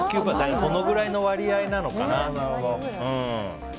このぐらいの割合なんだ。